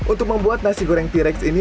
untuk membuat nasi goreng t rex ini